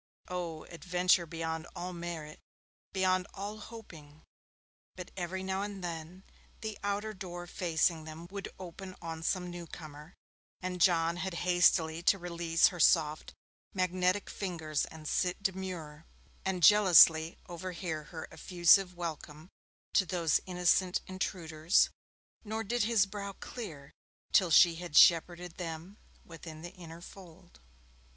Oh, adventure beyond all merit, beyond all hoping! But every now and then, the outer door facing them would open on some newcomer, and John had hastily to release her soft magnetic fingers and sit demure, and jealously overhear her effusive welcome to those innocent intruders, nor did his brow clear till she had shepherded them within the inner fold.